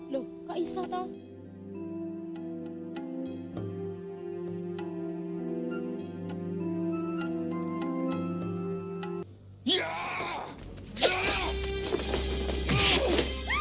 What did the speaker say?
loh kak isa tau